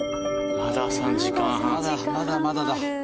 まだまだまだだ。